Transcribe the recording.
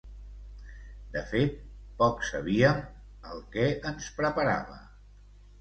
De fet, poc sabíem el que ens preparava.